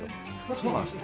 そうなんですか？